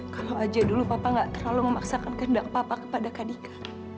kalau aja dulu papa gak terlalu memaksakan kehendak papa kepada kak dika